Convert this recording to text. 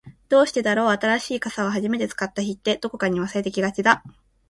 どうしてだろう、新しい傘を初めて使った日って、どこかに忘れてきがちだ。